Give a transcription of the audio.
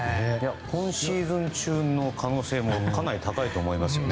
今シーズン中の可能性もかなり高いと思いますよね。